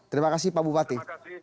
terima kasih pak bupati